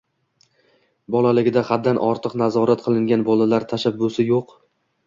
Bolalaligida haddan ortiq nazorat qilingan bolalar tashabbusi yo‘q